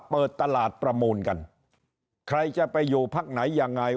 เปิดตลาดประมูลกันใครจะไปอยู่พักไหนยังไง